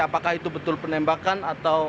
apakah itu betul penembakan atau